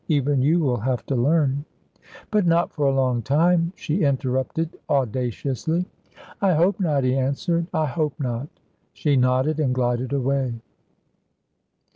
Even you will have to learn." "But not for a long time," she interrupted audaciously. "I hope not," he answered, "I hope not." She nodded and glided away.